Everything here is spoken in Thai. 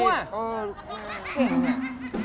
เก่งเนี่ย